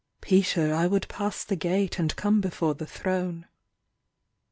"Peter, I would pass the gate And come before the throne."